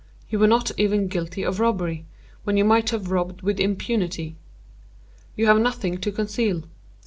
You were not even guilty of robbery, when you might have robbed with impunity. You have nothing to conceal.